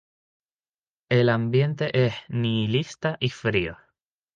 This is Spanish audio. El ambiente es nihilista y frío.